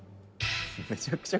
「めちゃくちゃ。